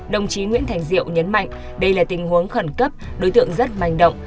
đồng chí nguyễn thành diệu nhấn mạnh đây là tình huống khẩn cấp đối tượng rất manh động